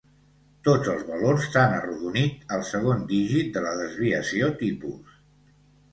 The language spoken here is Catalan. Tots els valors s'han arrodonit al segon dígit de la desviació tipus.